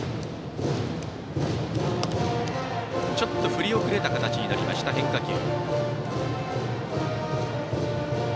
振り遅れた形になりました変化球。